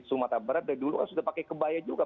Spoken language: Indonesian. sumatera barat dari dulu kan sudah pakai kebaya juga